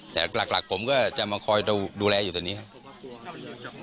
แต่หลักหลักผมก็จะมาคอยดูแลอยู่ตอนนี้ครับ